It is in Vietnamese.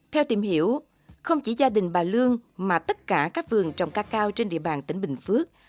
theo tìm hiểu không chỉ gia đình bà lương mà tất cả các vườn trồng cacao trên địa bàn tỉnh bình phước